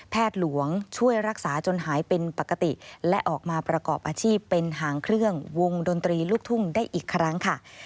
หลวงช่วยรักษาจนหายเป็นปกติและออกมาประกอบอาชีพเป็นหางเครื่องวงดนตรีลูกทุ่งได้อีกครั้งค่ะ